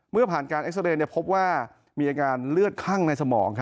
เมื่อผ่านการเอ็กซาเรย์พบว่ามีอาการเลือดคั่งในสมอง